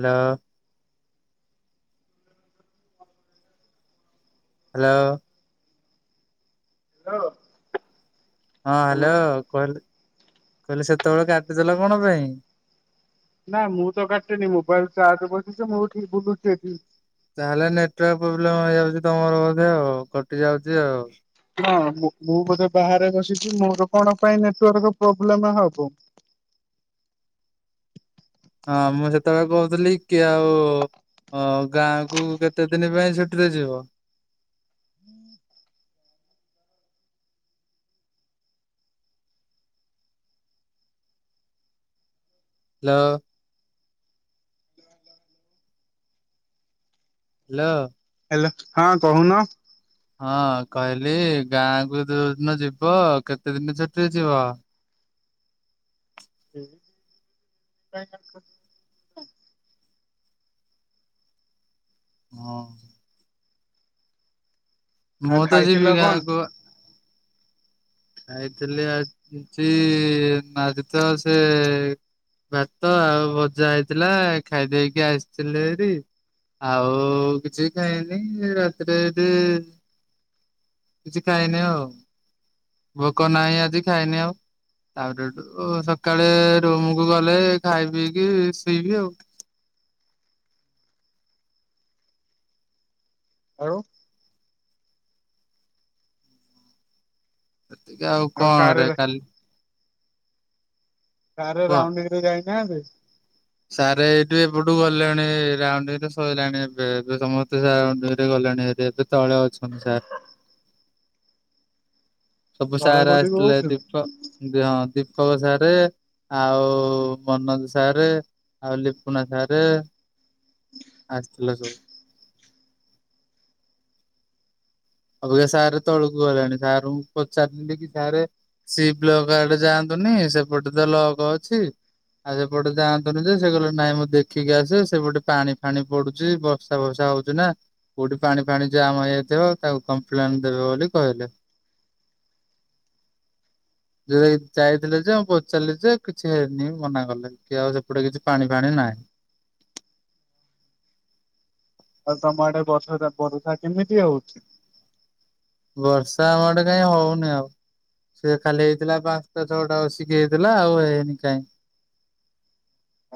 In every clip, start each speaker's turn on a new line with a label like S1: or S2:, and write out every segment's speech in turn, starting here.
S1: Hello hello
S2: hello
S1: ହଁ hello କହିଲ କହିଲି ସେତେବେଳେ କାଟିଦେଲ କଣ ପାଇଁ?
S2: ନାଇଁ ମୁଁ ତ କାଟିନି ମୋବାଇଲ ଚାର୍ଜ ବସିଛି ମୁଁ ଉଠିକ ବୁଲୁଛି ଏଠି।
S1: ତାହେଲେ ନେଟୱାର୍କ ପ୍ରୋବ୍ଲେମ ହେଇଯାଉଛି ତମର ବୋଧେ ଆଉ କଟି ଯାଉଛି ଆଉ।
S2: ହଁ ମୁଁ ବୋଧେ ବାହାରେ ବସିଛି ମୋର କଣ ପାଇଁ ନେଟୱାର୍କ ପ୍ରୋବ୍ଲେମ ହବ?
S1: ହଁ ମୁଁ ସେତେବେଳେ କହୁଥିଲି କି ଆଉ ହଁ ଗାଁକୁ କେତେ ଦିନ ପାଇଁ ଛୁଟିରେ ଯିବ?
S2: ହୁଁ
S1: ହାଲୋ ହ୍ୟାଲୋ
S2: ହ୍ୟାଲୋ ହଁ କହୁନ।
S1: ହଁ କହିଲି ଗାଁକୁ ଯୋଉ ଦିନ ଯିବ କେତେ ଦିନ ଛୁଟିରେ ଯିବ।
S2: ହୁଁ
S1: ହଁ
S2: ଆଉ
S1: ମୁଁ ତ
S2: ଖାଇଥିଲ
S1: ଯିବି
S2: କଣ
S1: ଗାଁକୁ। ଯାଇଥିଲି ଆଜି ନ ତ ସେ [inaudible] ଭାତ ଆଉ ଭଜା ହେଇଥିଲା ଖାଇଦେଇକି ଆସିଥିଲି ହାରି। ଆଉ କିଛି ଖାହିନି ରାତିରେ ଏଠି କିଛି ଖାଇନି ଆଉ। ଭୋକ ନାହିଁ ଆଜି ଖାଇନି ଆଉ ତାପରେସକାଳେ ରୁମକୁୁ ଗଲେ ଖାଇ ପିଇକି ଶୋଇବି ଆଉ
S2: ଆଉ।
S1: ସେତିକି ଆଉ କଣ ରେ କାଲି
S2: କାରରେ ରାଉଣ୍ଡରେ ଯାଇଥାନ୍ତେ
S1: ସାର୍ ଏଇଠୁ ଏପଠୁ ଗଲେଣି ରାଉଡିଙ୍ଗ ରେ ସଇଲାଣି ଏବେ ଏବେ ସମସ୍ତେ ରାଉଡିଙ୍ଗରେ ଗଲେଣି ଏବେ ତଳେ ଅଛନ୍ତି ସାର୍ ସବୁ
S2: ତଳେ
S1: ସାର
S2: ବୋଲି
S1: ଆସିଥିଲେ
S2: କହୁଛୁ
S1: ଦୀପ ହଁ ଦୀପକସାରେ ଆଉ ମନୋଜ ସାରେ ଆଉ ଲିପୁନା ସାରେ ଆସି ଥିଲେ ସବୁ। ଅବିକାସାର୍ ରେ ତଳକୁ ଗଲେଣି ସାର଼ ଙ୍କୁ ପଚାରିିଲି କି ସାରେ ସି ବ୍ଲକ ଆଡେ ଯାଆନ୍ତୁନି ସେପଟେ ତ ଲକ ଅଛି। ଆଉ ସେପଟେ ଯାଆନ୍ତୁନି ଯେ ସେ କହିଲେ ନାଇଁ ମୁଁ ଦେଖିକି ଆସେ ସେପଟେ ପାଣି ଫାଣି ପଡୁଛି ବ ବର୍ଷା ଫର୍ଷା ହଉଚି ନା କୋଉଠି ପାଣି ଫାଣି ଜାମ୍ ହେଇଯାଇଥିବ ତାକୁ କପ୍ଲେନ ଦେବେ ବୋଲି କହିଲେ। ଯେବେ ଯାଇଥିଲେ ଯେ ପଚାରିଲି ଯେ କିଛି ହେଇନି ମନା କଲେ କି ଆଉ ସେପଟେ କିଛି ପାଣି ଫାଣି ନାହିଁ।
S2: ଆଉ ତମ ଆଡେ ବର୍ଷା ଟା ବରଷା କିମିତି ହେଉଚି?
S1: ବର୍ଷା ଆମ ଆଡ଼େ କାଇଁ ହଉନି ଆଉ। ସେ ଖାଲି ହେଇଥିଲା ପାଞ୍ଚଟା ଛଅଟା ବସିକି ହେଇଥିଲା ଆଉ ହେଇନି କାଇଁ।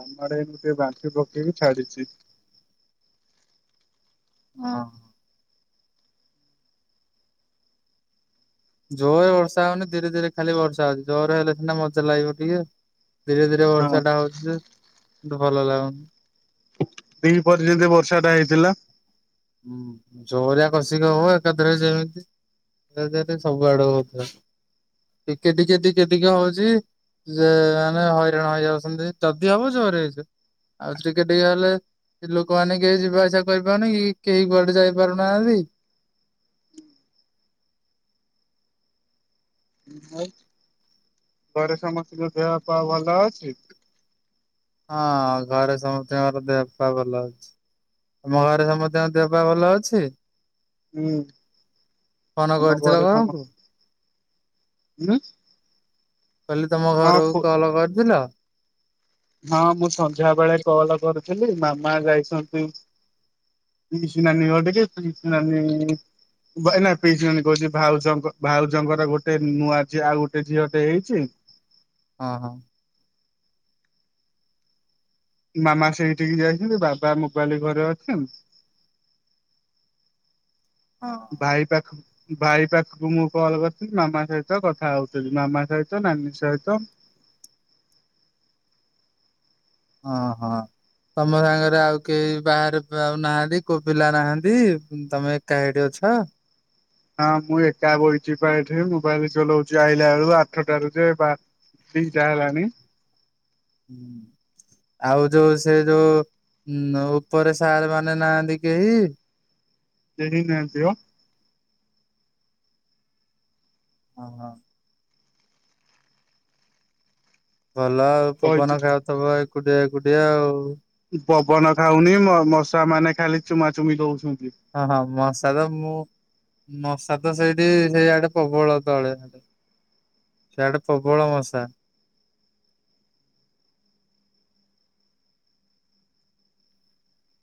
S2: ଆମର ଏଇଠି ଟିକେ ବାନ୍ତି ପକେଇକି ଛାଡିଛି।
S1: ହଁ। ଜୋରରେ ବର୍ଷା ହଉନି ଧୀରେ ଧୀରେ ଖାଲି ବର୍ଷା ହଉଛି ଜୋରରେ ହେଲେ ସିନା ମଜା ଲାଗିବ ଟିକେ ଧୀରେ ଧୀରେ
S2: ହଁ
S1: ବର୍ଷା ଟା ହଉଛି ଯେ ଭଲ ଲାଗୁନି।
S2: ଦି ପରେ ଯେମିତି ବର୍ଷା ଟା ହେଇଥିଲା।
S1: ହୁଁ ଜୋରିଆ କଷିକି ହେଉ ଏକାଥରେ ଯେମିତି ଦେ ଦେ ଦେ ସବୁ ଆଡୁ କଥା ଟିକେ ଟିକେ ଟିକେ ହଉଛି। ଯେ ଆମେ ହଇରାଣ ହେଇଯାଉଛନ୍ତି ଯଦି ହବ ଜୋରେ ହେଇଯା। ଆଉ ଟିକେ ଟିକେ ହେଲେ ଲୋକମାନେ କେହି ଯିବା ଆସିବା କରିପାରୁନି କି? କେହି କୁଆଡେ ଯାଇ ପାରୁନାହାନ୍ତି।
S2: ଘରେ ସମସ୍ତଙ୍କ ଦେହ ପା ଭଲ ଅଛି।
S1: ହଁ ଘରେ ସମସ୍ତଙ୍କର ଦେହ ପା ଭଲ ଅଛି। ମୋ ଆଡ଼େ ସମସ୍ତଙ୍କ ଦେହ ପା ଭଲ ଅଛି।
S2: ହୁଁ
S1: ଫୋନ
S2: ତମ
S1: କରିଥିଲ
S2: ଘରେ
S1: ଘରକୁ
S2: ସମସ୍ତ
S1: ମୁଁ କହିଲି ତମ ଘରକୁ କଲ୍ କରିଥିଲ?
S2: ହଁ ମୁଁ ସନ୍ଧ୍ୟା ବେଳେ କଲ କରିଥିଲି ମାମା ଯାଇଛନ୍ତି ପିଇସୀନାନି ଘରଟିକି ପିଇସୀନାନି ପିଇସିନାନୀ କହୁଛି ଭାଉଜଙ୍କ ଭାଉଜଙ୍କର ଗୋଟେ ନୂଆ ଝିଅ ଆଉ ଗୋଟେ ଝିଅ ହେଇଛି।
S1: ହଁ ହଁ।
S2: ମାମା ସେଇଠିକି ଯାଇଛନ୍ତି ବାବା ମୋବାଇଲି ଘରେ ଅଛି।
S1: ହଁ।
S2: ଭାଇ ପାଖ ଭାଇ ପାଖକୁ ମୁଁ କଲ୍ କରିଥିଲି ମାମା ସହିତ କଥା ହଉଥିଲି ମାମା ସହିତ ନାନୀ ସହିତ
S1: ହଁ ହଁ। ତମ ସାଙ୍ଗରେ ଆଉ କେହି ବାହାରେ ନାହାନ୍ତି କୋଉ ପିଲା ନାହାନ୍ତି ତମେ ଏକା ସେଇଠି ଅଛ।
S2: ହଁ ମୁଁ ଏକା ବହିଛିି ପା ଏଠି ମୋବାଇଲ ଚଲାଉଛି ଆଇଲାବେଳୁ ଆଠଟାରୁ ଯେ ବା ଦିଟା ହେଲାଣି।
S1: [inaudible] ଆଉ ଯୋଉ ସେ ଯୋଉ ଉପରେ ସାର୍ ମାନେ ନାହାନ୍ତି କେହି।
S2: ସେ କେହି ନାହାନ୍ତି ମ
S1: ହଁ ହଁ। ଭଲ ଆଉ
S2: ବଇଚି
S1: ପବନ ଖାଉଥିବ ଏକୁଟିଆ ଏକୁଟିଆ ଆଉ।
S2: ପବନ ଖାଉନି ମଶା ମାନେ ଖାଲି ଚୁମା ଚୁମି ଦଉଛନ୍ତି।
S1: ଓ ହଁ ମଶା ତ ମୁଁ। ମଶା ତ ସେଇଠି ସେଇ ଆଡେ ପ୍ରବଳ ତଳେ। ସେଆଡେ ପ୍ରବଳ ମଶା।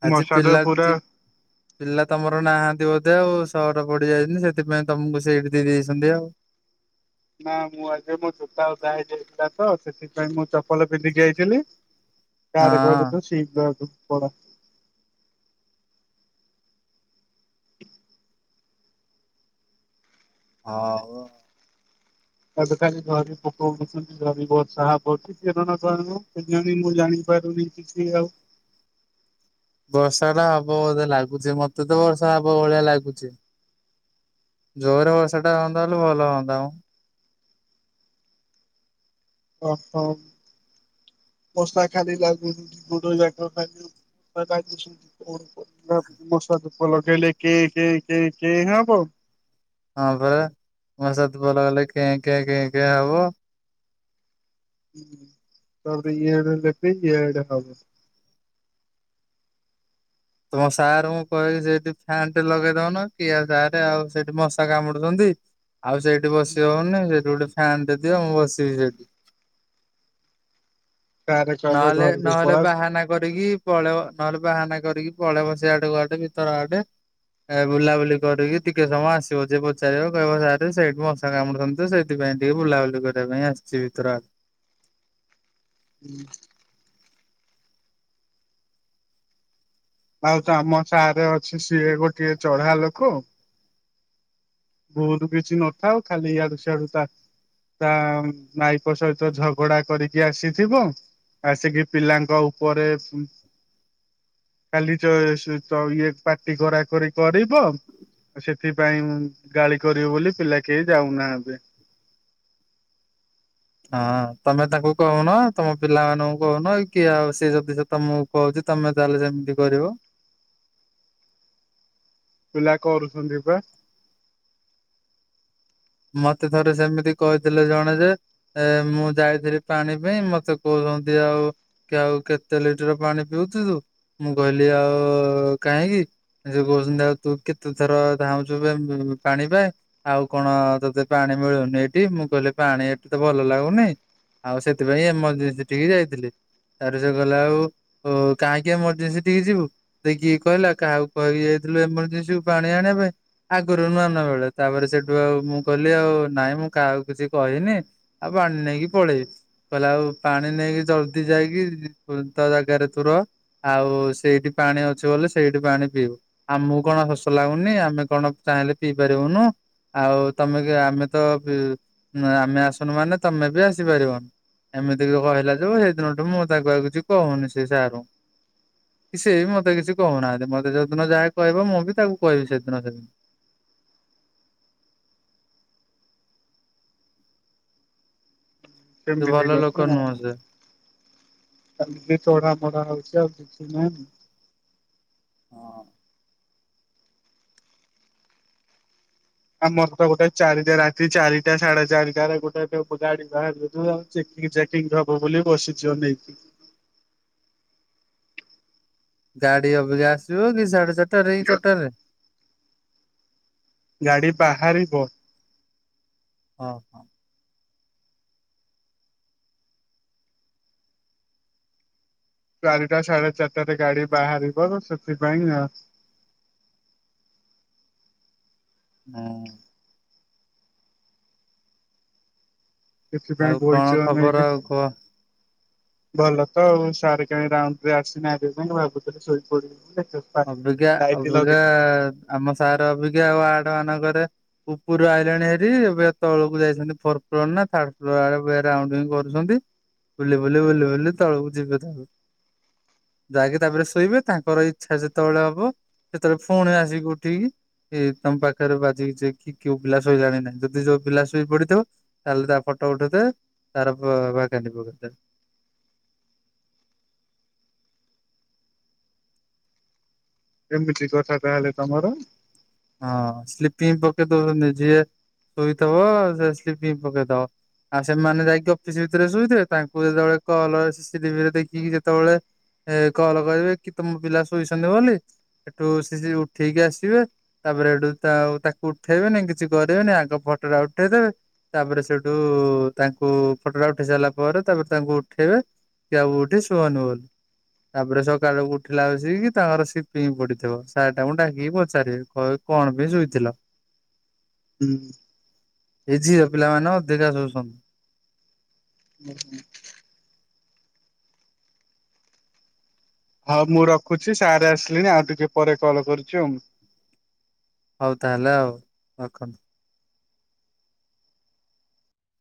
S1: ଆଜି
S2: ମଶା ତ
S1: ପିଲା
S2: ପୁରା
S1: ଟି ପିଲା ତମର ନାହାନ୍ତି ବୋଧେ ଆଉ ସହଟ ପଡିଯାଇଛନ୍ତିି ସେଥିପାଇଁ ତମକୁ ସେଇଠି ଦେଇ ଦେଇଛନ୍ତି ଆଉ।
S2: ନା ମୁଁ ଆଜି ମୋ ଜୋତା ଓଦା ହେଇ ଯାଇଥିଲା ତ ସେଥିପାଇଁ ମୁଁ ଚପଲ ପିନ୍ଧିକି ଆଇଥିଲି। ଗାଁ ରେ
S1: ହଁ।
S2: କହୁଚନ୍ତି ତ ଶୀଘ୍ରୁ ପଡ।
S1: ହଉ।
S2: ତାବେ ଖାଲି ଝରି ପୋକ ଉଡୁଛନ୍ତି ଝରି ବର୍ଷା ହବ କରଣ କେଜଣି ମୁଁ ଜାଣିପାରୁନି। କିଛି ଆଉ
S1: ବର୍ଷାଟା ହବ ବୋଧେ ଲାଗୁଛି ମତେ ତ ବର୍ଷା ହବ ଭଳିଆ ଲାଗୁଛି। ଜୋରରେ ବର୍ଷା ଟା ହୁଅନ୍ତା ହେଲେ ଭଲ ହୁଅନ୍ତା ମ।
S2: ଓହୋ ବସ୍ତା ଖାଲି ଲାଗୁ ଗୋଦ ଯାକ ଖାଲି [inaudible] କ ଦ [inaudible] ଭାବୁଛି ମଶା ଧୁପ ଲଗେଇଲେ କେଁ କେଁ କେଁ କେଁ ହବ।
S1: ହଁ ପରା ମଶା ଧୂପ ଲଗାଇଲେ କେଁ କେଁ କେଁ କେଁ ହବ।
S2: ହୁଁ ତାପରେ ଇଆଡେ ଲେପେ ଇଆଡେ ହବ।
S1: ତମ ସାର୍ ଙ୍କୁ କହିବ ସେଇଠି ଫ୍ୟାନ ଟେ ଲଗେଇ ଦଉନ କି ସାର ଆଉ ସେଇଠି ମଶା କାମୁଡୁଛନ୍ତି। ଆଉ ସେଇଠି ବସି ହଉନି ସେଇଠି ଗୋଟେ ଫ୍ୟାନ ଟେ ଦିଅ ମୁଁ ବସିବି ସେଇଠି।
S2: ସାରେ କହିବେ
S1: ନହେଲେ
S2: ଘରକୁ
S1: ନହେଲେ
S2: ପଳା
S1: ବାହାନା କରିକି ପଳେଇବ ନହେଲେ ବାହାନା କରିକି ପଳେଇବ ସିଆଡେ କୁଆଡେ ଭିତର ଆଡେ। ଏ ବୁଲାବୁଲି କରିକି ଟିକେ ସମୟ ଆସିବ ଯିଏ ପଚାରିବ କହିବ ସାର୍ ସେଇଠି ମଶା କାମୁଡୁଛନ୍ତି ତ ସେଥିପାଇଁ ଟିକେ ବୁଲାବୁଲି କରିବା ପାଇଁ ଆସିଛି ଭିତର ଆ
S2: ହୁଁ। ଆଉ ତ ଆମ ସାରେ ଅଛି ସିଏ ଗୋଟିଏ ଚଢା ଲୋକ। ବହୁତ କିଛି ନଥାଉ ଖାଲି ଇଆଡୁ ସିଆଡୁ ତା ତା ମାଇପ ସହିତ ଝଗଡା କରିକି ଆସିଥିବ। ଆସିକି ପିଲାଙ୍କ ଉପରେ କାଲି ଚ ସ ତ ଇଏ ପାଟି କରା କରି କରିବ ସେଥିପାଇଁ ଗାଳି କରିବି ବୋଲି ପିଲା କେହି ଯାଉନାହାଁନ୍ତି।
S1: ହଁ ତମେ ତାଙ୍କୁ କହୁନ ତମ ପିଲାମାନଙ୍କୁ କହୁନ କି ଆଉ ସିଏ ଯଦି ତମକୁ କହୁଛି ତମେ ତାହେଲେ ସେମିତି କରିବ।
S2: ପିଲା କରୁଛନ୍ତି ପା।
S1: ମତେ ଥରେ ସେମିତି କହିଥିଲେ ଜଣେ ଯେ ଏ ମୁଁ ଯାଇଥିଲି ପାଣି ପାଇଁ ମତେ କହୁଛନ୍ତି ଆଉ କି ଆଉ କେତେ ଲିଟର ପାଣି ପିଉଛୁ ତୁ ମୁଁ କହିଲି ଆଉ କାହିଁକି? ସେ କହୁଛନ୍ତି ଆଉ ତୁ କେତେଥର ଧଉଁଛୁ ପାଣି ପାଇଁ ଆଉ କଣ ତତେ ପାଣି ମିଳୁନି ଏଠି ମୁଁ କହିଲି ପାଣି ଏଠି ତ ଭଲ ଲାଗୁନେଇ ଆଉ ସେଥିପାଇଁ ଏମର୍ଜେନ୍ସି ଟିକେ ଯାଇଥିଲି। ତାପରେ ସେ କହିଲା ଆଉ କାହିଁକି ଏମର୍ଜେନ୍ସି ଟିକେ ଯିବୁ। ତତେ କିଏ କହିଲା କାହାକୁ କହିକି ଯାଇଥିଲୁ ଏମର୍ଜେନ୍ସିୁ ପାଣି ଆଣିବା ପାଇଁ। ଆଗରୁ ନୁଆ ନଆ ବେଳେ ତାପରେ ସେଠୁ ଆଉ ମୁଁ କହିଲି ଆଉ ନାଇଁ ମୁଁ କାହାକୁ କିଛି କହିନି ଆଉ ପାଣି ନେଇକି ପଳେଇବି। କହିଲା ଆଉ ପାଣି ନେଇକି ଜଲଦି ଯାଇକି ତା ଜାଗାରେ ତୁ ର। ଆଉ ସେଇଠି ପାଣି ଅଛି ବୋଲି ସେଇଠି ପାଣି ପିଇବୁ। ଆମକୁ କଣ ଶୋଷ ଲାଗୁନି ଆମେ କଣ ଚାହିଁଲେ ପିଇ ପାରିବୁନୁ ଆଉ ତମେ କି ଆମେ ତ ପି ଆମେ ଆସୁନୁ ମାନେ ତମେ ବି ଆସିପାରିବନି। ଏମିତିକି କହିଲା ଠୁ ସେଇ ଦିନଠୁ ମୁଁ ତାକୁ ଆଉ କିଛି କହୁନି ସେ ସାର୍ ଙ୍କୁ। କି ସେ ବି ମତେ କିଛି କହୁନାହାନ୍ତି ମତେ ଯୋଉ ଦିନ ଯାହା କହିବ ମୁଁ ବି ତାକୁ କହିବି ସେଦିନ ସମିତି। ସେ
S2: ଏମିତି
S1: ଭଲ ଲୋକ
S2: କଥା
S1: ନୁହଁ ସେ।
S2: ଖାଲି ତଡା ମଡା ହଉଛି ଆଉ କିଛି ନାହିଁ।
S1: ହଁ।
S2: ଆଉ ମୋର ତ ଗୋଟେ ଚାରିଟା ରାତି ଚାରିଟା ସାଢେ ଚାରିଟାରେ ଗୋଟେ ଗାଡି। [unintelligible] ଚେକିଂ ଚେକିଂ ହବ ବୋଲି ବସିଚି ଅନେଇକି।
S1: ଗାଡି ଅବିକା ଆସିବ କି ସାଢେ ଚାରିଟା ରେ ଏଇ ଚାରିଟା ରେ?
S2: ଗାଡି ବାହାରିବ
S1: ଅ ହଁ।
S2: ଚାରିଟା ସାଢେ ଚାରିଟାରେ ଗାଡି ବାହାରିବ ସେଥିପାଇଁ ଆ
S1: ଉଁ। ଆଉ
S2: ସେଥିପାଇଁ
S1: କଣ
S2: ବଇଚୁ ଆମେ
S1: ଖବର
S2: ଆଜ୍ଞା।
S1: ଆଉ କୁହ?
S2: ଭଲ ତ ଆଉ ସାରେ କାଇଁ ରାଉଣ୍ଡରେ ଆସି ନାହାନ୍ତି, ଭାବୁଥିଲି ଶୋଇ ପଡିବି
S1: ଅବିକା ଅବିକା ଆମ ସାର୍ ଅଭିକା ୱାଡ ମାନଙ୍କରେ ଉପୁରୁ ଆଇଲାଣି ଭାରି, ଏବେ ତଳକୁ ଯାଇଛନ୍ତି ଫୋର୍ ଫ୍ଲୋର୍ ନା ଥାର୍ଡ ଫ୍ଲୋର୍ ଆଡ଼କୁ ରାଉଣ୍ଡିଂ କରୁଛନ୍ତି। ବୁଲି ବୁଲି ବୁଲି ବୁଲି ତଳକୁ ଯିବେ ତାପରେ। ଯାଇକି ତାପରେ ଶୋଇବେ। ତାଙ୍କର ଏଇ ଇଚ୍ଛା ଯେତେବେଳେ ହବ ସେତେବେଳେ ପୁଣି ଆସିକି ଉଠିକି ଏ ତମ ପାଖରେ [unintelligible] କେଉ ପିଲା ଶୋଇଲାଣି ନାଇ, ଯଦି ଯୋଉ ପିଲା ଶୋଇପଡିଥିବ ତାହେଲେ ତାର ଫଟୋ ଉଠେଇଦେବେ ତାର ଭାକାଣ୍ଡି ପକେଇଦେବେ।
S2: ଏମିତି କଥା ତାହେଲେ ତମର।
S1: ହଁ। ସ୍ଲିପିଙ୍ଗ ପକେଇଦବନି ଯିଏ ଶୋଇଥବ ସେ ସ୍ଲିପିଙ୍ଗ ପକେଇଦବ। ଆଉ ସେମାନେ ଯାଇକି ଅଫିସ ଭିତରେ ଶୋଇଥିବେ, ତାଙ୍କୁ ଯେତେବେଳେ କଲ୍ ସିସିଟିଭିରେ ଦେଖିକି ଯେତେବେଳେ ଏ କଲ୍ କରିବେ କି ତମ ପିଲା ଶୋଇଛନ୍ତି ବୋଲି, ହେଠୁ ସେ ଯିବେ ଉଠେଇକି ଆସିବେ ତାପରେ ହେଠୁ ତାକୁ ଉଠେଇବେନି କିଛି କରିବେନି ଆଗ ଫଟୋଟା ଉଠେଇଦେବେ। ତାପରେ ସେଠୁ ତାଙ୍କୁ ଫଟୋ ଟା ଉଠେଇ ସାରିଲା ପରେ ତାପରେ ତାଙ୍କୁ ଉଠେଇବେ। କି ଉଠ ସୁଅନି ବୋଲି। ତାପରେ ସକାଳୁକୁ ଉଠିଲା ବସିକି କି ତାଙ୍କର ସ୍ଲିପିଙ୍ଗ ପଡିଥିବ। ସାର୍ ତାଙ୍କୁ ଡାକିକି ପଚାରିବେ। କହିବେ କଣ ପାଇଁ ଶୋଇଥିଲ।
S2: ଉଁ।
S1: ଏ ଝିଅ ପିଲା ମାନେ ଅଧିକା ଶୋଉଛନ୍ତି।
S2: [unintelligible] ହଉ ମୁଁ ରଖୁଚି। ସାରେ ଆସିଲିଣିି ଆଉ ଟିକେ ପରେ କଲ୍ କରୁଚି ଆଉ।
S1: ହଉ ତାହେଲେ ଆଉ ରଖନ୍ତୁ।